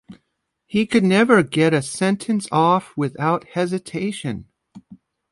He could never get a sentence off without hesitation.